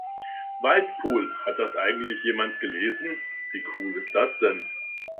Waldpool, hat das eigentlich jemand gelesen? Wie cool ist das denn?